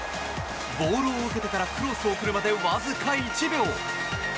ボールを受けてからクロスを送るまでわずか１秒。